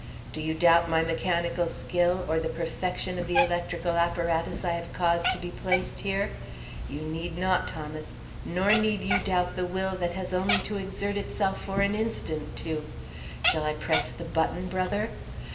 Do you doubt my mechanical skill or the perfection of the electrical apparatus I have caused to be placed here? You need not, Thomas; nor need you doubt the will that has only to exert itself for an instant to Shall I press the button, brother?"